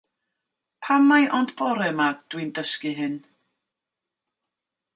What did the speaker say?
Pam mai ond bore yma ydw i'n dysgu hyn?